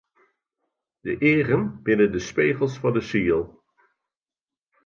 De eagen binne de spegels fan 'e siel.